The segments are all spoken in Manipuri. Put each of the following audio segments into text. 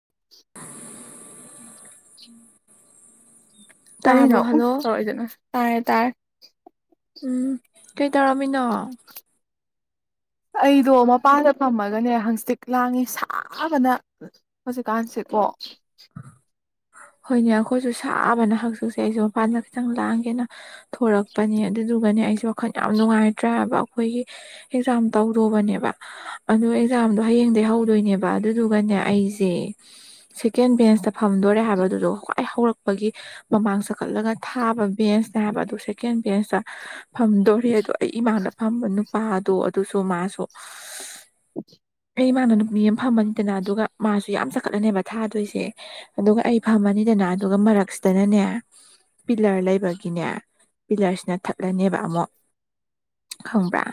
[inaudible] ꯀꯔꯤꯅꯣ ꯇꯥꯕ꯭ꯔꯣ ꯎꯝ ꯍꯜꯂꯣ ꯇꯧꯔꯣꯏꯗꯅ ꯇꯥꯏꯔꯦ ꯇꯥꯏꯔ ꯎꯝ ꯀꯩ ꯇꯧꯔꯝꯃꯤꯅꯣ ꯑꯩꯗꯣ ꯃꯄꯥꯟꯗ ꯐꯝꯃꯒꯅꯦ ꯍꯪꯆꯇꯤꯛ ꯂꯥꯡꯉꯤ ꯁꯥꯕꯅ ꯍꯧꯖꯤꯛꯀꯥꯟꯁꯤ ꯀꯣ ꯍꯣꯏꯅꯦ ꯑꯩꯈꯣꯏꯁꯨ ꯁꯥꯕꯅ ꯍꯆꯨꯁꯦ ꯑꯩꯁꯨ ꯃꯄꯥꯟꯗ ꯈꯤꯇꯪ ꯂꯥꯡꯑꯒꯦꯅ ꯊꯣꯔꯛꯄꯅꯤ ꯑꯗꯨꯗꯨꯒꯅꯦ ꯑꯩꯁ ꯋꯥꯈꯜ ꯌꯥꯝ ꯅꯨꯡꯉꯥꯏꯇ꯭ꯔꯦꯕ ꯑꯩꯈꯣꯏꯒꯤ ꯑꯦꯛꯖꯥꯝ ꯇꯧꯔꯨꯕꯅꯦꯕ ꯑꯗꯨ ꯑꯦꯛꯖꯥꯝꯗꯣ ꯍꯌꯦꯡ ꯍꯧꯗꯣꯏꯅꯦꯕ ꯑꯗꯨꯗꯨꯒꯅꯦ ꯑꯩꯁꯦ ꯀꯦꯟ ꯕꯦꯟꯁꯇ ꯐꯝꯗꯣꯔꯦ ꯍꯥꯏꯕꯗꯨꯗꯣ ꯈ꯭ꯋꯥꯏ ꯍꯧꯔꯛꯄꯒꯤ ꯃꯃꯥꯡ ꯆꯈꯠꯂꯒ ꯊꯥꯕ ꯕꯦꯟꯁꯅꯦ ꯍꯥꯏꯕ ꯑꯗꯨ ꯁꯦꯀꯦꯟ ꯕꯦꯟꯁꯇ ꯐꯝꯗꯣꯔꯤ ꯑꯗꯣ ꯑꯩ ꯏꯃꯥꯡꯗ ꯐꯝꯕ ꯅꯨꯄꯥꯗꯣ ꯑꯗꯨꯁꯨ ꯃꯥꯁꯨ [unintelligible] ꯏꯃꯅ ꯅꯨꯄꯤ ꯑꯃ ꯐꯝꯃꯅꯤꯗꯅ ꯑꯗꯨꯒ ꯃꯥꯁꯨ ꯌꯥꯝ ꯆꯈꯠꯂꯅꯦꯕ ꯊꯥꯗꯣꯏꯁꯦ ꯑꯗꯨꯒ ꯑꯩ ꯐꯝꯃꯅꯤꯗꯅ ꯑꯗꯨꯒ ꯃꯔꯛꯁꯤꯗꯅꯅꯦ ꯄꯤꯂꯔ ꯂꯩꯕꯒꯤꯅꯦ ꯄꯤꯂꯔꯁꯤꯅ ꯊꯠꯂꯅꯦꯕ ꯑꯃꯨꯛ ꯈꯪꯕ꯭ꯔꯥ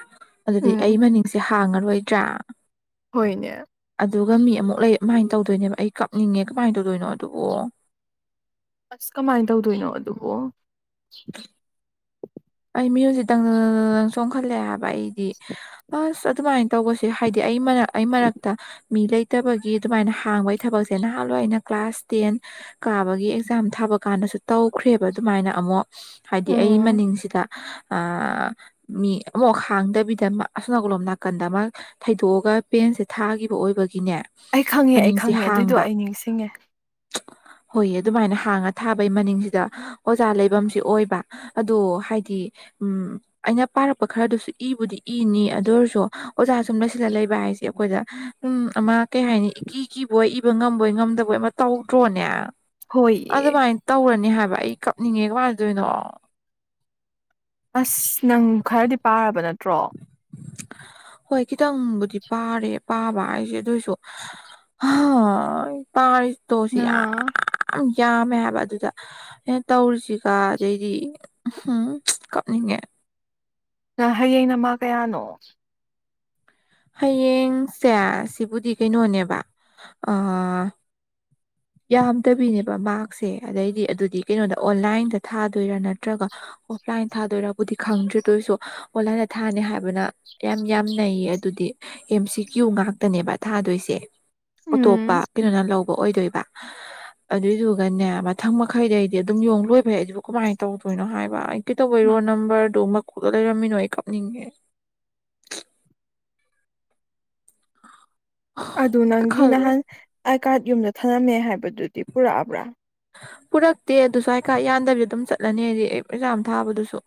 ꯑꯗꯨꯗꯤ ꯎꯝ ꯑꯩ ꯃꯅꯤꯡꯁꯦ ꯍꯥꯡꯉꯔꯣꯏꯗ꯭ꯔꯥ ꯍꯣꯏꯅꯦ ꯑꯗꯨꯒ ꯃꯤ ꯑꯃꯨꯛ ꯂꯩ ꯑꯗꯨꯃꯥꯏꯅ ꯇꯧꯗꯣꯏꯅꯦꯕ ꯑꯩ ꯀꯞꯅꯤꯡꯉꯦ ꯀꯃꯥꯏꯅ ꯇꯧꯗꯣꯏꯅꯣ ꯑꯗꯨꯕꯨꯣ ꯑꯁ ꯀꯃꯥꯏꯅ ꯇꯧꯗꯣꯏꯅꯣ ꯑꯗꯨꯕꯨꯣ ꯑꯩ ꯃꯤꯌꯖꯤꯦꯗꯪꯪ ꯆꯣꯡꯈꯠꯂꯛꯑꯦ ꯍꯥꯏꯕ ꯑꯩꯗꯤ ꯑꯁ ꯑꯗꯨꯃꯥꯏꯅ ꯇꯧꯕꯁꯦ ꯍꯥꯏꯗꯤ ꯑꯩ ꯃꯔꯛ ꯑꯩ ꯃꯔꯛꯇ ꯃꯤ ꯂꯩꯇꯕꯒꯤ ꯑꯗꯨꯃꯥꯏꯅ ꯍꯥꯡꯕꯒꯤ ꯊꯕꯛꯁꯦ ꯅꯍꯥꯟꯋꯥ ꯑꯩꯅ ꯀ꯭ꯂꯥꯁ ꯇꯦꯟ ꯀꯥꯕꯒꯤ ꯑꯦꯛꯖꯥꯝ ꯊꯥꯕ ꯀꯥꯟꯗꯁꯨ ꯇꯧꯈ꯭ꯔꯦꯕ ꯑꯗꯨꯃꯥꯏꯅ ꯑꯃꯨꯛ ꯍꯥꯏꯗꯤ ꯑꯩ ꯑꯩ ꯎꯝ ꯃꯅꯤꯡꯁꯤ ꯃꯤ ꯑꯃꯐ ꯈꯥꯡꯗꯕꯤꯗ ꯑꯁꯅꯥꯀꯂꯣꯝ ꯅꯥꯀꯟꯗ ꯑꯃ ꯊꯩꯗꯣꯛꯑ ꯄꯦꯟꯁꯦ ꯊꯥꯈꯤꯕ ꯑꯣꯏꯕꯒꯤ ꯑꯩ ꯈꯪꯉꯦ ꯑꯩ ꯈꯪꯉꯦ ꯑꯗꯨꯏꯗꯣ ꯑꯩ ꯅꯤꯡꯁꯤꯡꯉꯦ ꯍꯣꯏꯌꯦ ꯑꯗꯨꯃꯥꯏꯅ ꯍꯥꯡꯉ ꯊꯥꯕꯩ ꯃꯅꯤꯡꯁꯤꯗ ꯑꯣꯖꯥ ꯂꯩꯐꯝꯁꯤ ꯑꯣꯏꯕ ꯑꯗꯣ ꯍꯥꯏꯗꯤ ꯎꯝ ꯑꯩꯅ ꯄꯥꯔꯛꯄ ꯈꯔꯗꯨꯁꯨ ꯏꯕꯨꯗꯤ ꯏꯅꯤ ꯑꯗꯨ ꯑꯣꯏꯔꯁꯨ ꯑꯣꯖꯥ ꯁꯨꯝ ꯂꯩꯁꯤꯗ ꯂꯩ ꯕ ꯍꯥꯏꯁꯦ ꯑꯩꯈꯣꯏꯗ ꯎꯝ ꯑꯃ ꯀꯩ ꯍꯥꯏꯅꯤ ꯏꯤ ꯀꯤꯕꯣꯏ ꯏꯕ ꯉꯝꯕꯣꯏ ꯉꯝꯗꯕꯣꯏ ꯇꯧꯗ꯭ꯔꯣꯅꯦ ꯍꯣꯏꯌꯦ ꯑꯗꯨꯃꯥꯏꯅ ꯇꯧꯔꯅꯤ ꯍꯥꯏꯕ ꯑꯩ ꯀꯞꯅꯤꯡꯉꯦ ꯀꯃꯥꯏ ꯑꯗꯨꯣꯏꯅꯣ ꯑꯁ ꯅꯪ ꯈꯔꯗꯤ ꯄꯥꯔꯕ ꯅꯠꯇ꯭ꯔꯣ ꯍꯣꯏ ꯈꯤꯇꯪꯕꯨꯗꯤ ꯄꯥꯔꯦ ꯄꯥꯕ ꯍꯥꯏꯁꯦ ꯑꯗꯨꯑꯣꯏꯁꯨ [unintelligible] ꯍ ꯄꯥꯔ ꯇꯣꯁꯤ ꯌꯥ ꯑꯥ ꯌꯥꯝꯃꯦ ꯍꯥꯏꯕ ꯑꯗꯨꯗ ꯑꯩꯅ ꯇꯧꯔꯤꯁꯤꯒ ꯑꯗꯩꯗꯤ ꯎꯝ ꯀꯞꯅꯤꯡꯉꯦ ꯍꯌꯦꯡ ꯅꯃꯥ ꯀꯌꯥꯅꯣ ꯍꯌꯦꯡꯁꯦ ꯁꯤꯕꯨꯗꯤ ꯀꯩꯅꯣꯅꯦꯕ ꯑ ꯌꯥꯝꯗꯕꯤꯅꯦꯕ ꯃꯥꯔꯛꯁꯦ ꯑꯗꯩꯗꯤ ꯑꯗꯨꯗꯤ ꯀꯩꯅꯣꯗ ꯑꯣꯟꯂꯥꯏꯟꯗ ꯊꯥꯗꯣꯏꯔꯥ ꯅꯠꯇ꯭ꯔꯒ ꯑꯣꯐꯂꯥꯏꯟ ꯊꯥꯗꯣꯏꯔꯕꯨꯗꯤ ꯈꯪꯗ꯭ꯔꯦ ꯇꯣꯏꯁꯨ ꯑꯣꯟꯂꯥꯏꯅ ꯊꯥꯅꯤ ꯍꯥꯏꯕꯅ ꯌꯥꯝ ꯌꯥꯝ ꯅꯩꯌꯦ ꯑꯗꯨꯗꯤ ꯑꯦꯝ ꯁꯤ ꯀ꯭ꯌꯨ ꯉꯥꯛꯇꯅꯦꯕ ꯊꯥꯗꯣꯏꯁꯦ ꯑꯇꯣꯞꯄ ꯎꯝ ꯀꯩꯅꯣꯅ ꯂꯧꯕ ꯑꯣꯏꯗꯣꯏꯕ [unintelligible] ꯑꯗꯨꯏꯗꯨꯒꯅꯦ ꯃꯊꯪ ꯃꯈꯩꯗ ꯑꯩꯗꯤ ꯑꯗꯨꯝ ꯌꯣꯡ ꯂꯣꯏ ꯐꯩ ꯑꯩꯁꯤꯕꯨ ꯀꯃꯥꯏꯅ ꯇꯧꯗꯣꯏꯅꯣ ꯍꯥꯏꯕ ꯀꯩꯇꯧꯕꯩꯔꯣ ꯅꯝꯕꯔꯗꯨꯣ ꯃꯀꯨꯗ ꯂꯩꯔꯝꯃꯤꯅꯣ ꯑꯩ ꯀꯥꯞꯅꯤꯡꯉꯦ ꯑꯗꯨ ꯅꯪꯒꯤ ꯈꯜ ꯅꯍꯥꯟ ꯑꯥꯏ ꯀꯥꯔꯗ ꯌꯨꯝꯗ ꯊꯛꯂꯝꯃꯦ ꯍꯥꯏꯕꯗꯨꯗꯤ ꯄꯨꯔꯛꯑꯕ꯭ꯔꯥ ꯄꯨꯔꯛꯇꯦ ꯑꯗꯨꯁꯨ ꯍꯥꯏꯀ ꯌꯥꯟꯗꯕꯤꯗ ꯑꯗꯨꯝ ꯆꯠꯂꯅꯤ ꯍꯥꯏꯗꯤ ꯑꯦꯛꯖꯥꯝ ꯊꯥꯕꯗꯨꯁꯨ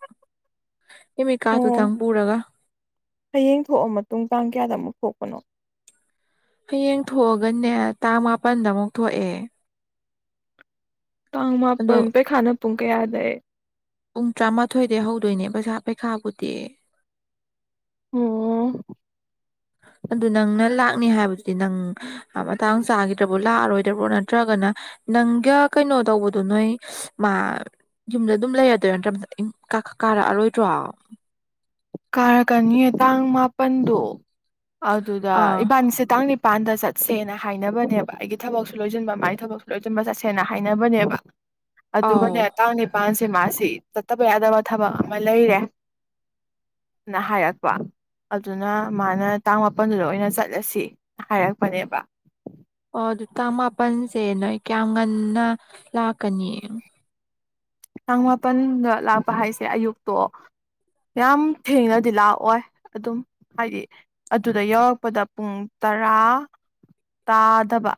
ꯑꯣ ꯑꯦꯃꯤꯀꯥꯗꯨꯗꯪ ꯄꯨꯔꯒ ꯍꯌꯦꯡ ꯊꯣꯛꯑ ꯃꯇꯨꯡ ꯇꯥꯡ ꯀꯌꯥꯗ ꯑꯃꯨꯛ ꯊꯣꯛꯄꯅꯣ ꯍꯌꯦꯡ ꯊꯣꯛꯑꯒꯅꯦ ꯇꯥꯡ ꯃꯥꯄꯜꯗ ꯑꯃꯨꯛ ꯊꯣꯛꯑꯦ ꯇꯥꯡ ꯑꯗꯣ ꯃꯥꯄꯜ ꯄꯩꯈꯥꯅ ꯄꯨꯡ ꯀꯌꯥꯗꯩ ꯄꯨꯡ ꯇꯔꯥꯃꯥꯊꯣꯏꯗꯒꯤꯩ ꯍꯧꯗꯣꯏꯅꯦ ꯄꯩꯁꯥ ꯄꯩꯈꯥꯕꯨꯗꯤ ꯎꯝ ꯑꯗꯨ ꯅꯪꯅ ꯂꯥꯛꯅꯤ ꯍꯥꯏꯕꯗꯨꯗꯤ ꯅꯪ ꯃꯇꯥꯡ ꯆꯥꯈꯤꯗ꯭ꯔꯕꯣ ꯂꯥꯛꯑꯔꯣꯏꯗ꯭ꯔꯕꯣ ꯅꯠꯇ꯭ꯔꯒꯅ ꯅꯪꯒ ꯀꯩꯅꯣ ꯇꯧꯕꯗꯨꯣ ꯅꯣꯏ ꯃꯥ ꯌꯨꯝꯗ ꯑꯗꯨꯝ ꯂꯩꯔꯗꯣꯏꯔ ꯅꯠꯇ꯭ꯔ ꯔꯔꯣꯏ ꯇ ꯑ ꯀꯥꯔꯛꯀꯅꯤꯌꯦ ꯇꯥꯡ ꯃꯥꯄꯜꯗꯣ ꯑꯗꯨꯗ ꯏꯕꯥꯅꯤꯁꯦ ꯇꯥꯡ ꯅꯤ ꯃꯄꯥꯟꯗ ꯆꯠꯁꯦꯅ ꯍꯥꯏꯅꯕꯅꯦꯕ ꯑꯩꯒꯤ ꯊꯕꯛꯁꯨ ꯂꯣꯏꯁꯤꯟꯕ ꯃꯥꯏ ꯊꯕꯛꯁꯨ ꯂꯣꯏꯁꯤꯟꯕ ꯆꯠꯁꯦꯅ ꯍꯥꯏꯅꯕꯅꯦꯕ ꯑꯥꯎ ꯑꯗꯨꯒꯅꯦ ꯇꯥꯡ ꯅꯤꯄꯥꯜꯁꯦ ꯃꯥꯁꯤ ꯆꯠꯇꯕ ꯌꯥꯗꯕ ꯊꯕꯛ ꯑꯃ ꯂꯩꯔꯦ ꯅꯍꯠ ꯋꯥ ꯑꯗꯨꯅ ꯃꯥꯅ ꯇꯥꯡ ꯃꯥꯄꯜꯗꯨꯗ ꯑꯣꯏꯅ ꯆꯠꯂꯁꯤ ꯍꯥꯏꯔꯛꯄꯅꯦꯕ ꯑꯣ ꯑꯗꯨ ꯇꯥꯡ ꯃꯥꯄꯜꯁꯦ ꯅꯣꯏ ꯀꯌꯥꯝ ꯉꯟꯅ ꯂꯥꯛꯀꯅꯤ ꯇꯥꯡ ꯃꯥꯄꯜꯗ ꯂꯥꯛꯄ ꯍꯥꯏꯁꯦ ꯑꯌꯨꯛꯇꯣ ꯌꯥꯝ ꯊꯦꯡꯅꯗꯤ ꯂꯥꯛꯑꯣꯏ ꯑꯗꯨꯝ ꯍꯥꯏꯗꯤ ꯑꯗꯨꯗ ꯌꯧꯔꯛꯄꯗ ꯄꯨꯡ ꯇꯔꯥ ꯇꯥꯗꯕ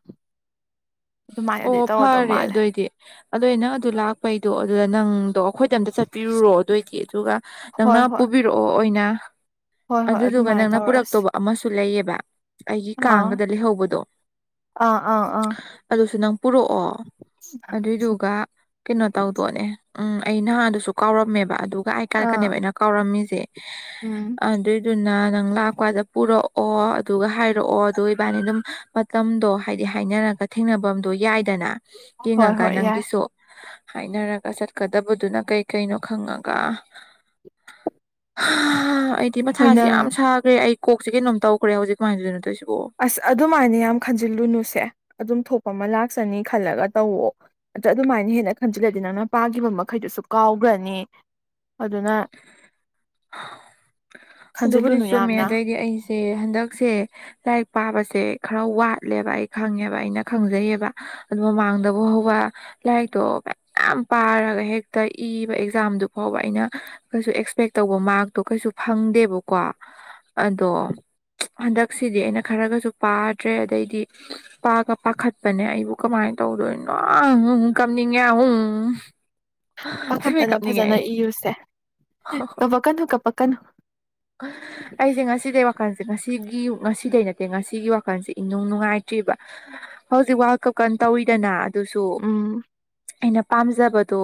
ꯑꯗꯨꯃꯥꯏꯅꯗꯤ ꯑꯣ ꯇꯧꯔꯗꯧ ꯐꯔꯦ ꯃꯥꯜꯂꯦ ꯑꯗꯨꯑꯣꯏꯗꯤ ꯑꯗꯨꯗ ꯅꯪ ꯑꯗꯨ ꯂꯥꯛꯄꯩꯗꯣ ꯑꯗꯨꯗ ꯅꯪꯗꯣ ꯑꯩꯈꯣꯏꯗ ꯑꯝꯇ ꯆꯠꯄꯤꯔꯨꯔꯣ ꯑꯗꯨꯑꯣꯏꯗꯤ ꯑꯗꯨꯒ ꯅꯪꯅ ꯍꯣꯏ ꯍꯣꯏ ꯄꯨꯕꯤꯔꯛꯑꯣ ꯑꯣꯏꯅ ꯍꯣꯏ ꯍꯣꯏ ꯑꯗꯨꯗꯨꯒ ꯑꯗꯨꯃꯥꯏꯅ ꯅꯪꯅ ꯇꯧꯔꯁꯤ ꯄꯨꯔꯛꯇꯧꯕ ꯑꯃꯁꯨ ꯂꯩꯌꯦꯕ ꯑꯩꯒꯤ ꯑꯥ ꯀꯥꯡꯕꯗ ꯂꯩꯍꯧꯕꯗꯣ ꯑꯥ ꯑꯥ ꯑꯥ ꯑꯗꯨ ꯅꯪꯔꯛꯑꯣ ꯑꯗꯨꯏꯗꯨꯒ ꯀꯩꯅꯣ ꯇꯧꯗꯣꯅꯦ ꯎꯝ ꯑꯩ ꯅꯍꯥꯗꯨꯁꯨ ꯀꯥꯎꯔꯝꯃꯦꯕ ꯑꯗꯨꯒ ꯑꯩ ꯑꯥ ꯀꯥꯔꯛꯀꯅꯦꯕ ꯑꯩꯅ ꯀꯥꯎꯔꯝꯃꯤꯁꯦ ꯎꯝ ꯑꯗꯨꯏꯗꯨꯅ ꯅꯪ ꯂꯥꯛꯄꯗ ꯄꯨꯔꯛꯑꯣ ꯑꯗꯨꯒ ꯍꯥꯏꯔꯛꯑꯣ ꯑꯗꯨ ꯏꯕꯥꯅꯤ ꯑꯗꯨꯝ ꯃꯇꯝꯗꯣ ꯍꯥꯏꯗꯤ ꯍꯥꯏꯅꯔꯒ ꯊꯦꯡꯅꯐꯝꯗꯣ ꯌꯥꯏꯗꯅ ꯍꯣꯏ ꯌꯦꯡꯉꯒ ꯍꯣꯏ ꯌꯥꯏ ꯅꯪꯒꯤꯁꯨ ꯍꯥꯏꯅꯔꯒ ꯆꯠꯀꯗꯕꯗꯨꯅ ꯀꯩ ꯀꯩꯅꯣ ꯈꯪꯉꯒ [inaudible] ꯑꯩꯗꯤ ꯃꯊꯥꯁꯤ ꯅꯪ ꯌꯥꯝ ꯁꯥꯈ꯭ꯔꯦ ꯑꯩ ꯀꯣꯛꯁꯤ ꯀꯩꯅꯣꯝ ꯇꯧꯈ꯭ꯔꯦ ꯍꯧꯖꯤꯛ ꯀꯃꯥꯏꯗꯨꯅ ꯅꯠꯇꯧꯏꯁꯨ ꯑꯁ ꯑꯗꯨꯃꯥꯏꯅ ꯌꯥꯝ ꯈꯟꯖꯤꯜꯂꯨꯅꯨꯁꯦ ꯑꯗꯨꯝ ꯊꯣꯛ ꯑꯄ ꯑꯃ ꯂꯥꯛꯆꯅꯤ ꯈꯜꯂꯒ ꯇꯧꯋ ꯅꯠꯇ꯭ꯔ ꯑꯗꯨꯃꯥꯏꯅ ꯍꯦꯟꯅ ꯈꯟꯖꯤꯜꯂꯗꯤ ꯅꯪꯅ ꯄꯥꯈꯤꯕ ꯃꯈꯩꯗꯨꯁꯨ ꯀꯥꯎꯒ ꯅꯤ ꯑꯗꯨꯅ ꯑꯗꯨꯕꯨꯗꯤ ꯈꯟꯖꯤꯜꯂꯨꯅꯨ ꯆꯨꯝꯃꯦ ꯌꯥꯝꯅ ꯑꯗꯒꯤ ꯑꯩꯁꯦ ꯍꯟꯗꯛꯁꯦ ꯂꯥꯏꯛ ꯄꯥꯕꯁꯦ ꯈꯔ ꯋꯥꯠꯂꯦꯕ ꯑꯩ ꯈꯪꯉꯦꯕ ꯑꯩꯅ ꯈꯪꯖꯩꯌꯦꯕ ꯑꯗꯨ ꯃꯃꯥꯡꯗꯕꯨ ꯍꯧꯕ ꯂꯥꯏꯔꯤꯛꯇꯣ ꯃ ꯄꯥꯔꯒ ꯍꯦꯛꯇ ꯏꯕ ꯑꯦꯛꯖꯥꯝꯗꯨ ꯐꯥꯎꯕ ꯑꯩꯅ ꯀꯩꯁꯨ ꯑꯦꯛꯁꯄꯦꯛ ꯇꯧꯕ ꯃꯥꯔꯛꯇꯣ ꯀꯩꯁꯨ ꯐꯪꯗꯦꯕꯀꯣ ꯑꯗꯣ ꯍꯟꯗꯛꯁꯤꯗꯤ ꯑꯩꯅ ꯈꯔꯒꯁꯨ ꯄꯥꯗ꯭ꯔꯦ ꯑꯗꯩꯗꯤ ꯄꯥꯒ ꯄꯥꯈꯠꯄꯅꯦ ꯑꯩꯕꯨ ꯀꯃꯥꯏꯅ ꯇꯧꯗꯣ ꯀꯝꯅꯤꯡꯉ ꯎ ꯄꯥꯈꯠꯇꯅꯦ ꯐꯖꯅ ꯏꯔꯨꯁꯦ ꯀꯄꯛꯀꯅꯨ ꯀꯄꯛ ꯀꯅꯨ ꯑꯩꯁꯦ ꯉꯁꯤꯗꯤꯦ ꯋꯥꯈꯜꯁꯦ ꯉꯁꯤ ꯉꯁꯤꯗꯩ ꯅꯠꯇꯦ ꯉꯁꯤꯒꯤ ꯋꯥꯈꯜꯁꯦ ꯏꯅꯨꯡ ꯅꯨꯡꯉꯥꯏꯇ꯭ꯔꯤꯕ ꯍꯧꯖꯤꯛ ꯋꯥꯔꯜ ꯀꯞ ꯇꯧꯋꯤꯗꯅ ꯑꯗꯨꯁꯨ ꯎꯝ ꯑꯩꯅ ꯄꯥꯝꯖꯕꯗꯣ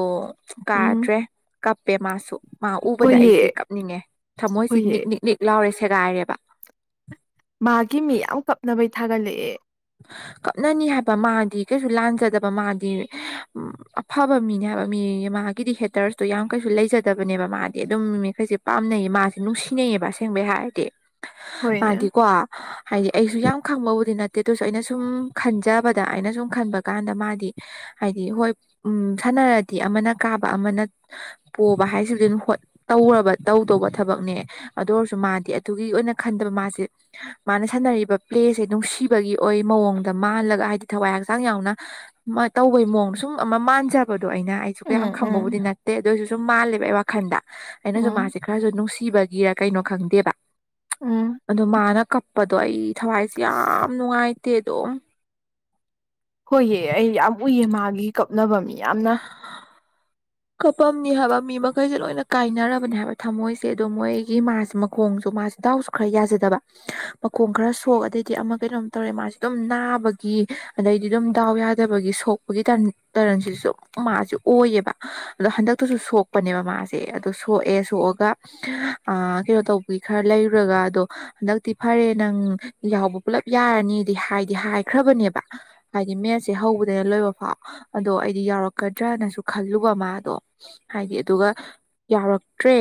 ꯎꯝ ꯀꯥꯗ꯭ꯔꯦ ꯀꯞꯄꯦ ꯃꯥꯁꯨ ꯃꯥ ꯎꯕꯗ ꯑꯩꯁꯤꯦ ꯍꯣꯏꯌꯦ ꯀꯞꯅꯤꯡꯉꯦ ꯊꯝꯃꯣꯏꯁꯤ ꯍꯣꯏꯌꯦ ꯅꯤꯛ ꯅꯤꯛ ꯅꯤꯛ ꯂꯥꯎꯔꯦ ꯁꯦꯒꯥꯏꯔꯦꯕ ꯃꯥꯒꯤ ꯃꯤ ꯌꯥꯝ ꯀꯞꯅꯕꯩ ꯊꯥꯒꯠꯂꯛꯑꯦ ꯀꯞꯅꯅꯤ ꯍꯥꯏꯕ ꯃꯥꯗꯤ ꯀꯩꯁꯨ ꯂꯥꯟꯖꯗꯕ ꯃꯥꯗꯤ ꯑꯐꯕ ꯃꯤꯅꯤ ꯍꯥꯏꯕ ꯃꯤ ꯃꯥꯒꯤꯗꯤ ꯍꯦꯇꯔꯁꯇꯣ ꯌꯥꯝ ꯀꯩꯁꯨ ꯂꯩꯖꯗꯕꯅꯦꯕ ꯃꯥꯗꯤ ꯑꯗꯨꯝ ꯃꯤ ꯃꯤꯈꯩꯁꯦ ꯄꯥꯝꯅꯩꯌꯦ ꯃꯥꯁꯦ ꯅꯨꯡꯁꯤꯅꯩꯌꯦꯕ ꯍꯥꯏꯔ ꯍꯣꯏꯅꯦ ꯃꯥꯣ ꯍꯥꯏꯗꯤ ꯑꯩꯁꯨ ꯌꯥꯝ ꯈꯪꯕꯕꯨꯠꯇꯦ ꯗꯦꯠꯇꯨꯁꯨ ꯑꯩꯅ ꯁꯨꯝ ꯈꯟꯖꯕꯗ ꯑꯩꯅ ꯁꯨꯝ ꯈꯟꯕ ꯀꯥꯟꯗ ꯃꯥꯗꯤ ꯍꯥꯏꯗꯤ ꯍꯣꯏ ꯎ ꯈꯠꯅꯔꯗꯤ ꯑꯃꯅ ꯀꯥꯕ ꯑꯃꯅ ꯄꯣꯕ ꯍꯥꯏꯁꯤ ꯑꯗꯨꯝ ꯇꯧꯔꯕ ꯇꯧꯗꯧꯕ ꯊꯕꯛꯅꯦ ꯑꯗꯨ ꯑꯣꯏꯔ ꯑꯗꯨꯒꯤ ꯑꯣꯏꯅ ꯈꯟꯕ ꯃꯥꯁ ꯃꯥꯅ ꯁꯥꯟ ꯄ꯭ꯂꯦ ꯅꯨꯡ ꯒꯤ ꯑꯣꯏ ꯃꯑꯣꯡꯗ ꯃꯜꯂꯒ ꯍꯥꯏꯗꯤ ꯊꯋꯥꯏ ꯍꯛꯆꯥꯡ ꯌꯥꯎꯅ ꯇꯧꯕꯒꯤ ꯃꯑꯣꯡꯗ ꯁꯨꯝ ꯑꯃ ꯃꯥꯟꯖꯕ ꯑꯗꯣ ꯑꯩꯅ ꯑꯩꯁꯨ ꯀꯌꯥꯝ ꯎꯝ ꯈꯪꯕꯕꯨꯗꯤ ꯎꯝ ꯅꯠꯇꯦ ꯑꯗꯨ ꯑꯣꯏꯁꯨ ꯁꯨꯝ ꯃꯥꯜꯂꯦꯕ ꯑꯩ ꯋꯥꯈꯟꯗ ꯑꯩꯅꯁꯨ ꯎꯝ ꯃꯥꯁꯦ ꯈꯔꯁꯨ ꯅꯨꯡꯁꯤ ꯊꯤꯕꯒꯤꯔ ꯀꯩꯅꯣ ꯈꯪꯗꯦꯕ ꯎꯝ ꯑꯣ ꯃꯥꯅ ꯀꯞꯄꯗꯣ ꯑꯩ ꯊꯋꯥꯏꯁꯦ ꯌꯥꯝ ꯉꯥꯏꯇꯦꯗꯣ ꯍꯣꯏꯑ ꯑꯩ ꯌꯥꯝ ꯎꯏꯌꯦ ꯃꯥꯒꯤ ꯀꯞꯅꯕ ꯃꯤ ꯌꯥꯝꯅ ꯀꯄꯝꯅꯤ ꯍꯥꯏꯕ ꯃꯤ ꯃꯈꯩꯁꯦ ꯂꯣꯏꯅ ꯀꯥꯏꯅꯔꯕꯅꯦ ꯍꯥꯏꯕ ꯊꯝꯃꯣꯏꯁꯦ ꯑꯗꯨꯗꯣ ꯃꯣꯏꯒꯤ ꯃꯥꯁꯦ ꯃꯈꯣꯡꯁꯨ ꯃꯥꯁꯦ ꯗꯥꯎꯁꯨ ꯈꯔ ꯌꯥꯖꯗꯕ ꯃꯈꯣꯡ ꯈꯔ ꯁꯣꯛ ꯑꯗꯩꯗꯤ ꯑꯃ ꯀꯩꯅꯣꯝ ꯇꯧꯔꯦ ꯃꯥꯁꯤ ꯑꯗꯨꯝ ꯅꯥꯕꯒꯤ ꯒꯤ ꯑꯗꯩꯗꯤ ꯑꯗꯨꯝ ꯗꯥꯎ ꯌꯥꯗꯕꯒꯤ ꯁꯣꯛꯄꯒꯤ ꯇꯔꯟꯁꯤꯁꯨ ꯃꯥꯁꯨ ꯑꯣꯏꯌꯦꯕ ꯑꯗꯣ ꯍꯟꯗꯛꯇꯁꯨ ꯁꯣꯛꯄꯅꯦꯕ ꯃꯥꯁꯦ ꯑꯗꯣ ꯁꯣꯛꯑꯦ ꯁꯣꯛꯑꯒ ꯀꯩꯅꯣ ꯇꯧꯕ ꯈꯔ ꯂꯩꯔꯨꯔꯒ ꯑꯗꯣ ꯍꯟꯗꯛꯇꯤ ꯐꯔꯦ ꯅꯪ ꯌꯥꯎꯕ ꯄꯨꯂꯞ ꯌꯥꯔꯅꯤ ꯍꯥꯏꯗꯤ ꯍꯥꯏꯈ꯭ꯔ ꯍꯥꯏ ꯃꯦ ꯍꯧꯕ ꯐ ꯑꯣꯗꯤ ꯌꯥꯎꯔꯅ ꯑꯗꯨꯒ ꯃꯥꯗꯣ ꯍꯥꯏꯗꯤ ꯑꯗꯨꯒ ꯌꯥꯎꯔꯛꯇ꯭ꯔꯦ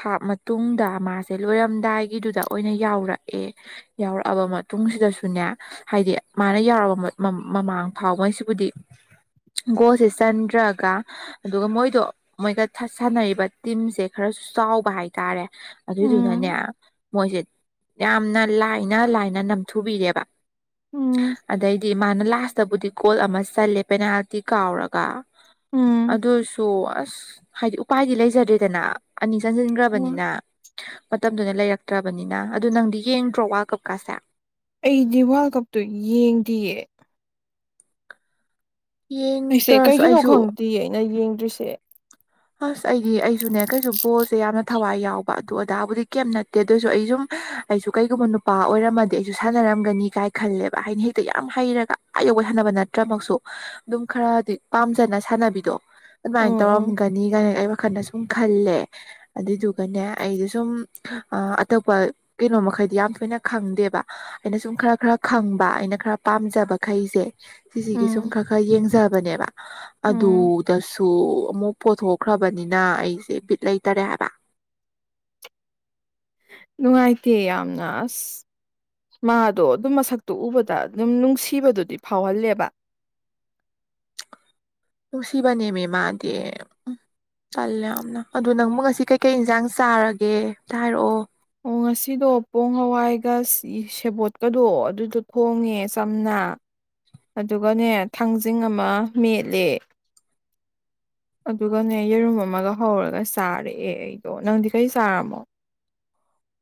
ꯍꯥꯞ ꯃꯇꯨꯡꯗ ꯃꯥꯁꯦ ꯂꯣꯏꯔꯝꯗꯥꯏꯒꯤꯗꯨꯗ ꯑꯣꯏꯅ ꯌꯥꯎꯔꯛꯑꯦ ꯌꯥꯎꯔꯛꯑꯕ ꯃꯇꯨꯡ ꯨꯡ ꯁꯤꯗꯁꯨꯅꯦ ꯍꯥꯏꯗꯤ ꯃꯥꯅ ꯌꯥꯎꯔꯕ ꯃꯃꯥꯡ ꯐꯥꯎꯉꯩꯁꯤꯕꯨꯗꯤ ꯒꯣꯁꯦ ꯆꯟꯗ꯭ꯔꯒ ꯑꯗꯨꯒ ꯃꯣꯏꯗꯣ ꯃꯣꯏꯒ ꯁꯥꯟꯅꯔꯤꯕ ꯇꯤꯝꯁꯦ ꯈꯔꯁꯨ ꯆꯥꯎꯕ ꯍꯥꯏꯇꯥꯔꯦ ꯑꯗꯨꯗꯨꯅꯅꯦ ꯎꯝ ꯃꯣꯏꯁꯦ ꯌꯥꯝꯅ ꯂꯥꯏꯅ ꯂꯥꯏꯅ ꯅꯝꯊꯨꯕꯤꯔꯦꯕ ꯎꯝ ꯑꯗꯩꯗꯤ ꯃꯥꯅ ꯂꯥꯁꯇꯕꯨꯗꯤ ꯒꯣꯜ ꯑꯃ ꯆꯜꯂꯦ ꯄꯦꯅꯥꯜꯇꯤ ꯀꯥꯎꯔꯒ ꯎꯝ ꯑꯗꯨꯁꯨ ꯑꯁ ꯍꯥꯏꯗꯤ ꯎꯄꯥꯏꯗꯤ ꯂꯩꯖꯗ꯭ꯔꯦꯗꯅ ꯑꯅꯤ ꯍꯣꯏ ꯆꯟꯁꯤꯟꯈ꯭ꯔꯕꯅꯤꯅ ꯃꯇꯝꯗꯨꯅ ꯂꯩꯔꯛꯇ꯭ꯔꯕꯅꯤꯅ ꯑꯗꯨ ꯅꯪꯗꯤ ꯌꯦꯡꯗ꯭ꯔꯣ ꯋꯥ ꯀꯞꯀꯥꯁꯦ ꯑꯩꯗꯤ ꯋꯥꯔꯜ ꯀꯞꯇꯨ ꯌꯦꯡꯗꯤꯌꯦ ꯑꯩꯁꯦ ꯌꯦꯡꯗ꯭ꯔꯁꯨ ꯀꯩꯒꯤꯅꯣ ꯑꯩꯁꯨ ꯈꯪꯗꯦ ꯑꯩꯅ ꯌꯦꯡꯗ꯭ꯔꯤꯁꯦ ꯑꯁ ꯑꯩꯗꯤ ꯑꯩꯁꯨꯅꯦ ꯀꯩꯁꯨ ꯕꯣꯜꯁꯦ ꯌꯥꯝꯅ ꯊꯋꯥꯏ ꯌꯥꯎꯕ ꯑꯗꯨꯗꯣ ꯑꯣꯗꯥꯥꯕꯨꯗꯤ ꯀꯩꯝ ꯅꯠꯇꯦ ꯑꯗꯨꯑꯣꯏꯁꯨ ꯑꯩ ꯁꯨꯝ ꯑꯩꯁꯨ ꯀꯩꯒꯨꯝꯕ ꯅꯨꯄꯥ ꯑꯣꯏꯔꯝꯃꯗꯤ ꯑꯩꯁꯨ ꯁꯥꯟꯅꯔꯝꯒꯅꯤ ꯀꯥꯏ ꯈꯜꯂꯦꯕ ꯍꯥꯏꯅ ꯍꯦꯛꯇ ꯌꯥꯝ ꯍꯩꯔꯒ ꯕ ꯅꯠꯇ꯭ꯔ ꯑꯗꯨꯝ ꯈꯔ ꯄꯥꯝ ꯁꯥꯟꯅꯕꯤꯗꯣ ꯑꯗꯨꯃ ꯎꯝ ꯇꯔ ꯎꯝ ꯑꯩ ꯋꯥꯈꯜꯗ ꯁꯨꯝ ꯈꯜꯂꯦ ꯑꯗꯨꯗꯨꯒꯅꯦ ꯑꯩꯗ ꯁꯨꯝ ꯑꯇꯣꯞꯄ ꯀꯩꯅꯣꯃꯩꯗꯤ ꯌꯥꯝ ꯊꯣꯏꯅ ꯈꯪꯗꯦꯕ ꯑꯩꯅ ꯁꯨꯝ ꯈꯔ ꯈꯔ ꯈꯪꯕ ꯑꯩꯅ ꯈꯔ ꯄꯥꯝꯖꯕ ꯃꯈꯩꯁꯦ ꯁꯤꯁꯤꯒꯤ ꯁꯨꯝ ꯎꯝ ꯈꯔ ꯈꯔ ꯌꯦꯡꯖꯕꯅꯦꯕ ꯎꯝ ꯑꯗꯨꯗꯁꯨ ꯑꯃꯨꯛ ꯄꯣꯊꯣꯛꯈ꯭ꯔꯕꯅꯤꯅ ꯑꯩꯁꯦ ꯕꯤꯠ ꯂꯩꯇꯔꯦ ꯍꯥꯏꯕ ꯅꯨꯡꯉꯥꯏꯇꯦ ꯌꯥꯝꯅ ꯑꯁ ꯃꯥꯗꯣ ꯑꯗꯨꯝ ꯃꯁꯛꯇꯣ ꯎꯕꯗ ꯑꯗꯨꯝ ꯅꯨꯡꯁꯤꯕꯗꯨꯗꯤ ꯐꯥꯎꯍꯜꯂꯦꯕ [inaudible] ꯅꯨꯡꯁꯤꯕꯅꯦꯃꯤ ꯃꯥꯗꯤ ꯎ ꯆꯜꯂꯦ ꯌꯥꯝꯅ ꯑꯗꯣ ꯅꯪꯕꯨ ꯉꯁꯤ ꯀꯩꯀꯩ ꯏꯟꯁꯥꯡ ꯆꯥꯔꯒꯦ ꯑꯝꯇ ꯍꯥꯏꯔꯛꯑꯣ ꯑꯣ ꯉꯁꯤꯗꯣ ꯄꯣꯡ ꯍꯋꯥꯏꯒ ꯁꯦꯕꯣꯠꯀꯗꯣ ꯑꯗꯨꯗꯣ ꯊꯣꯡꯉꯦ ꯆꯝꯅ ꯑꯗꯨꯒꯅꯦ ꯊꯥꯡꯖꯤꯡ ꯑꯃ ꯃꯦꯠꯂꯦ ꯑꯗꯨꯒꯅꯦ ꯌꯦꯔꯨꯝ ꯑꯃꯒ ꯍꯧꯔꯒ ꯆꯥꯔꯛꯑꯦ ꯑꯩꯗꯣ ꯅꯪꯗꯤ ꯀꯔꯤ ꯆꯥꯔꯝꯃꯣ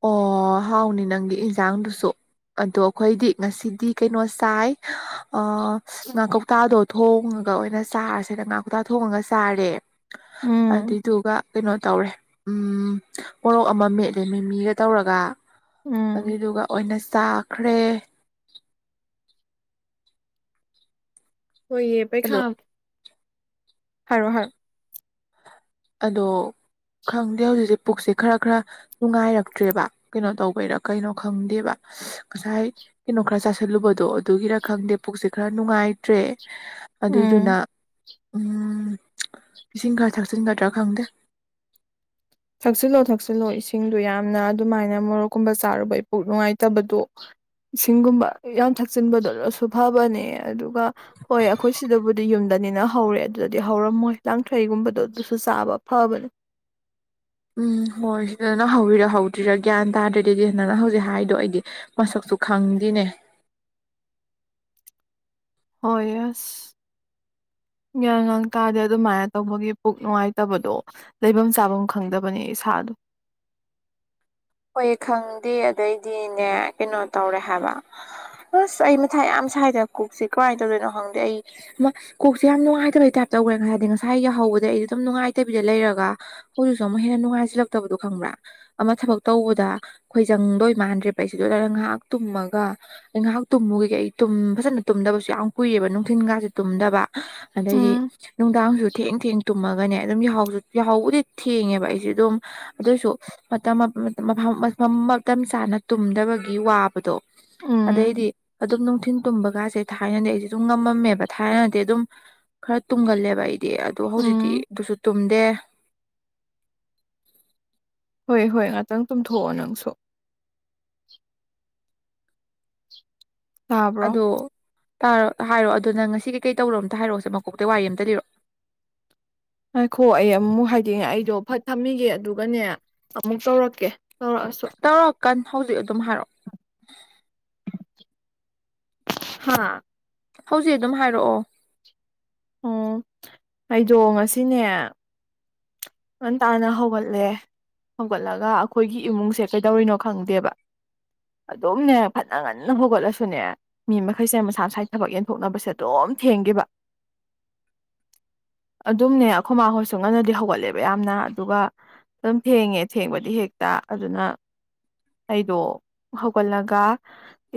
ꯑꯣ ꯍꯥꯎꯅꯤ ꯅꯪꯒꯤ ꯏꯟꯁꯥꯡꯗꯨꯁꯨ ꯑꯗꯣ ꯑꯩꯈꯣꯏꯗꯤ ꯉꯁꯤꯗꯤ ꯀꯩꯅꯣ ꯆꯥꯏ ꯑ ꯉꯥ ꯀꯧꯇꯥꯗꯣ ꯊꯣꯡꯉꯒ ꯑꯣꯏꯅ ꯆꯥꯔꯁꯦꯅ ꯉꯥ ꯀꯧꯇꯥ ꯊꯣꯡꯉꯒ ꯆꯥꯔꯦ ꯎꯝ ꯑꯗꯨꯏꯗꯨꯒ ꯀꯩꯅꯣ ꯇꯧꯔꯦ ꯎꯝ ꯃꯣꯔꯣꯛ ꯑꯃ ꯃꯦꯠꯂꯦ ꯃꯤ ꯃꯤꯒ ꯇꯧꯔꯒ ꯎꯝ ꯑꯗꯨꯏꯗꯨꯒ ꯑꯣꯏꯅ ꯆꯥꯈ꯭ꯔꯦ ꯍꯏꯌꯦ ꯄꯩ ꯑꯗꯣ ꯈꯥꯝ ꯍꯥꯏꯔꯣ ꯍꯥꯏꯔꯣ ꯑꯗꯣ ꯈꯪꯗꯦ ꯍꯧꯖꯤꯛꯁꯦ ꯄꯨꯛꯁꯦ ꯈꯔ ꯈꯔ ꯅꯨꯡꯉꯥꯏꯔꯛꯇ꯭ꯔꯦꯕ ꯀꯩꯅꯣ ꯇꯧꯕꯩꯔ ꯀꯩꯅꯣ ꯈꯪꯗꯦꯕ ꯉꯁꯥꯏ ꯀꯩꯅꯣ ꯈꯔ ꯆꯥꯥꯁꯜꯂꯨꯕꯗꯣ ꯑꯗꯨꯒꯤꯔ ꯈꯪꯗꯦ ꯄꯨꯛꯁꯦ ꯈꯔ ꯅꯨꯡꯉꯥꯏꯇ꯭ꯔꯦ ꯑꯗꯨꯏꯗꯨꯅ ꯎꯝ ꯎ ꯏꯁꯤꯡ ꯈꯔ ꯊꯛꯆ ꯆꯤꯟꯒꯗ꯭ꯔꯥ ꯈꯪꯗꯦ ꯊꯛꯆꯤꯜꯂꯣ ꯊꯛꯆꯤꯜꯂꯣ ꯏꯁꯤꯡꯗꯣ ꯌꯥꯝꯅ ꯑꯗꯨꯃꯥꯏꯅ ꯃꯣꯔꯣꯛꯀꯨꯝꯕ ꯆꯥꯔꯨꯕ ꯏꯄꯣꯛ ꯅꯨꯡꯉꯥꯏꯇꯕꯗꯣ ꯏꯁꯤꯡꯒꯨꯝꯕ ꯌꯥꯝ ꯊꯛꯆꯤꯟꯕꯗꯣ ꯂꯣꯏꯁꯨ ꯐꯕꯅꯦ ꯑꯗꯨꯒ ꯍꯣꯏ ꯑꯩꯈꯣꯏ ꯁꯤꯗꯕꯨꯗꯤ ꯌꯨꯝꯗ ꯅꯤꯅ ꯍꯧꯔꯦ ꯑꯗꯨꯗꯗꯤ ꯍꯧꯔꯝꯃꯣꯏ ꯂꯥꯡꯊ꯭ꯔꯩꯒꯨꯝꯕꯗꯣ ꯑꯗꯨꯁꯨ ꯆꯥꯕ ꯐꯕꯅꯦ ꯎꯝ ꯍꯣꯏ ꯁꯤꯗ ꯅꯪ ꯍꯧꯋꯤꯔ ꯍꯧꯗ꯭ꯔꯤꯔꯥ ꯒ꯭ꯌꯥꯟ ꯇꯥꯗ꯭ꯔꯗꯤꯗꯤ ꯅꯪꯅ ꯍꯧꯖꯤꯛ ꯍꯥꯏꯗꯣ ꯑꯩꯗꯤ ꯃꯁꯛ ꯁꯨ ꯈꯪꯗꯤꯅꯦ [inaudible] ꯍ ꯌꯦꯁ ꯉꯥꯡ ꯇꯥꯗ ꯑꯗꯨꯃꯥꯏꯅ ꯇꯧꯕꯒꯤ ꯄꯨꯛ ꯅꯨꯡꯉꯥꯏꯇꯕꯗꯣ ꯂꯩꯐꯝ ꯆꯥꯐꯝ ꯈꯪꯗꯕꯅꯤ ꯏꯁꯥꯗ [unintelligible] ꯍꯣꯏ ꯈꯪꯗꯦ ꯑꯗꯩꯗꯤꯅꯦ ꯀꯩꯅꯣ ꯇꯧꯔꯦ ꯍꯥꯏꯕ ꯑꯁ ꯑꯩ ꯃꯊꯥ ꯌꯥꯝ ꯁꯥꯏꯗ ꯀꯣꯛꯁꯦ ꯀꯃꯥꯏꯅ ꯇꯧꯗꯣꯏꯅꯣ ꯈꯪꯗꯦ ꯑꯩ ꯀꯣꯛꯁꯦ ꯌꯥꯝ ꯅꯨꯡꯉꯥꯏꯇꯕꯩ ꯇꯥꯏꯞꯇ ꯇꯧꯈ꯭ꯔꯦ ꯉ ꯍꯥꯏꯗꯤ ꯉꯁꯥꯏ ꯌꯥꯎꯍꯧꯕꯗ ꯑꯩꯗꯤ ꯑꯗꯨꯝ ꯅꯨꯡꯉꯥꯏꯇꯕꯤꯗ ꯂꯩꯔꯒ ꯍꯧꯖꯤꯛꯁꯨ ꯑꯃꯨꯛ ꯍꯦꯟꯅ ꯅꯨꯡꯉꯥꯏꯁꯤꯜꯂꯛꯇꯕꯗꯣ ꯈꯪꯕ꯭ꯔꯥ ꯃꯊ ꯐ ꯇꯧꯕꯗ ꯑꯩꯈꯣꯏ ꯆꯪꯗꯣꯏ ꯃꯥꯟꯗ꯭ꯔꯦ ꯄ ꯑꯩꯁꯤꯗꯗ ꯉꯥꯏꯍꯥꯛ ꯇꯨꯝꯃꯒ ꯑꯩ ꯉꯥꯏꯍꯥꯛ ꯇꯨꯝꯃꯨꯒ ꯑꯩ ꯇꯨꯝ ꯐꯖꯅ ꯇꯨꯝꯗꯕꯁꯨ ꯌꯥꯝ ꯀꯨꯏꯑꯕ ꯅꯨꯡꯊꯤꯟꯒꯥꯁꯦ ꯇꯨꯝꯗꯕ ꯑꯗꯩꯗꯤ ꯎꯝ ꯅꯨꯡꯗꯥꯡꯁꯨ ꯊꯦꯡ ꯊꯦꯡ ꯈꯨꯝꯃꯒꯅꯦ ꯑꯗꯨꯝ ꯌꯥꯍꯥꯎꯕꯨꯗꯤ ꯊꯦꯡꯉꯦꯕ ꯑꯩꯁꯦ ꯑꯗꯨꯝ ꯑꯗꯨꯏꯁꯨ ꯃꯇꯝ ꯃꯐꯝ ꯃꯐꯝ ꯃꯇꯝ ꯆꯥꯅ ꯇꯨꯝꯗꯕꯒꯤ ꯋꯥꯕꯗꯣ ꯎꯝ ꯑꯗꯩꯗꯤ ꯑꯗꯨꯝ ꯅꯨꯡꯊꯤꯟ ꯇꯨꯝꯕ ꯀꯥꯁꯦ ꯊꯥꯏꯅꯗꯤ ꯑꯩꯁꯦ ꯑꯗꯨꯝ ꯉꯝꯃꯝꯃꯦꯕ ꯊꯥꯏꯅꯗꯤ ꯑꯗꯨꯝ ꯈꯔ ꯇꯨꯝꯒꯜꯂꯦꯕ ꯑꯩꯁꯦ ꯍꯥꯏꯗꯤ ꯑꯗꯨ ꯍꯧꯖꯤꯛꯇꯤ ꯎꯝ ꯑꯗꯨꯁꯨ ꯇꯨꯝꯗꯦ [unintelligible] ꯍꯣꯏ ꯍꯣꯏ ꯉꯥꯛꯇꯪ ꯇꯨꯝꯊꯣꯛꯑꯣ ꯅꯪꯁꯨ ꯇꯥꯕ꯭ꯔꯣ ꯇꯥꯔꯣ ꯍꯥꯏꯔꯣ ꯑꯗꯨꯅ ꯉꯁꯤ ꯀꯩꯀꯩ ꯇꯧꯔꯣ ꯑꯃꯇ ꯍꯥꯏꯔꯛꯑꯣꯁꯦ ꯃꯀꯣꯛꯇꯒꯤ ꯋꯥꯔꯤ ꯑꯃꯝꯇ ꯂꯤꯔꯛꯑꯣ ꯉꯥꯏꯈꯣ ꯑꯩ ꯑꯃꯨꯛ ꯍꯥꯏꯗꯤꯅꯦ ꯑꯩꯗꯣ ꯐꯠ ꯊꯝꯃꯤꯒꯦ ꯑꯗꯨꯒꯅꯦ ꯑꯃꯨꯛ ꯇꯧꯔꯛꯀꯦ ꯇꯧꯔꯛꯑꯁꯨ ꯇꯧꯔꯛꯀꯥꯟ ꯍꯧꯖꯤꯛ ꯑꯗꯨꯝ ꯍꯥꯏꯔꯛꯑꯣ ꯍꯥꯥ ꯍꯧꯖꯤꯛ ꯑꯗꯨꯝ ꯍꯥꯏꯔꯛꯑꯣ ꯎꯝ ꯑꯩꯗꯣ ꯉꯁꯤꯅꯦ ꯅ ꯇꯥꯅ ꯍꯒꯠꯂꯦ ꯍꯧꯒꯠꯂꯒ ꯑꯩꯈꯣꯏꯒꯤ ꯏꯃꯨꯡꯁꯦ ꯀꯩꯗꯧꯔꯤꯅꯣ ꯈꯪꯗꯦꯕ ꯑꯗꯨꯝꯅꯦ ꯐꯅ ꯉꯟꯅ ꯍꯧꯣꯒꯠꯂꯁꯨꯅꯦ ꯃꯤ ꯃꯈꯩꯁꯦ ꯃꯁꯥ ꯃꯁꯥꯗ ꯊꯕꯛ ꯌꯦꯟꯊꯣꯛꯅꯕꯁꯦ ꯑꯗꯨꯝ ꯊꯦꯡꯈꯤꯕ ꯑꯗꯨꯝꯅꯦ ꯑꯩꯈꯣꯏ ꯃꯥꯈꯣꯏ ꯁ ꯉꯟꯅꯗꯤ ꯍꯧꯒꯠꯂꯦꯕ ꯌꯥꯝꯅ ꯑꯗꯨꯒ ꯑꯗꯨꯝ ꯊꯦꯡꯉꯦ ꯊꯦꯡꯕꯗꯤ ꯍꯦꯛꯇ ꯑꯗꯨꯅ ꯑꯩꯗꯣ ꯍꯧꯒꯠꯂꯒ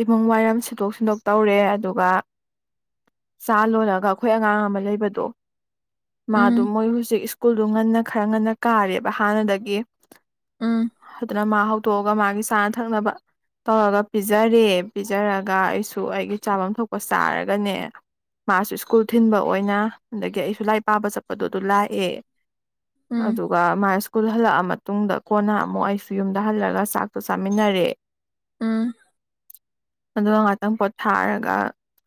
ꯏꯃꯨꯡ ꯋꯥꯏꯔꯝ ꯁꯤꯗꯣꯛ ꯁꯤꯟꯗꯣꯛ ꯇꯧꯔꯦ ꯑꯗꯨꯒ ꯆꯥ ꯂꯣꯜꯂꯒ ꯑꯩꯈꯣꯏ ꯑꯉꯥꯡ ꯑꯃ ꯂꯩꯕꯗꯣ ꯎꯝ ꯃꯥꯗꯨꯣ ꯃꯣꯏ ꯍꯧꯖꯤꯛ ꯁ꯭ꯀꯨꯜꯗꯨ ꯉꯟꯅ ꯈꯔ ꯉꯟꯅ ꯀꯥꯔꯦꯕ ꯍꯥꯟꯅꯗꯒꯤ ꯎꯝ ꯑꯗꯨꯅ ꯃꯥ ꯍꯧꯗꯣꯛꯑꯒ ꯃꯥꯒꯤ ꯆꯥꯅ ꯊꯛꯅꯕ ꯇꯧꯔꯒ ꯄꯤꯖꯔꯦ ꯄꯤꯖꯔꯒ ꯑꯩꯁꯨ ꯑꯩꯒꯤ ꯆꯥꯐꯝ ꯊꯣꯛꯄ ꯆꯥꯔꯒꯅꯦ ꯃꯥꯁꯨ ꯁ꯭ꯀꯨꯜ ꯊꯤꯟꯕ ꯑꯣꯏꯅ ꯑꯗꯒꯤ ꯑꯩꯁꯨ ꯂꯥꯏ ꯄꯥꯕ ꯆꯠꯄꯗꯣ ꯑꯗꯨ ꯂꯥꯛꯑꯦ ꯎꯝ ꯑꯗꯨꯒ ꯃꯥ ꯁ꯭ꯀꯨꯜ ꯍꯜꯂꯛꯑ ꯃꯇꯨꯡꯗ ꯀꯣꯟꯅ ꯑꯃꯨꯛ ꯑꯩꯁꯨ ꯌꯨꯝꯗ ꯍꯜꯂꯒ ꯆꯥꯛꯇꯨ ꯆꯥꯃꯤꯟꯅꯔꯦ ꯎꯝ ꯑꯗꯨꯒ ꯉꯥꯛꯇꯪ ꯄꯣꯊꯥꯔꯒ